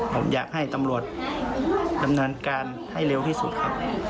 ผมอยากให้ตำรวจดำเนินการให้เร็วที่สุดครับ